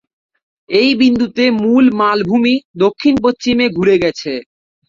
এই বিন্দুতে মূল মালভূমি দক্ষিণ-পশ্চিমে ঘুরে গেছে।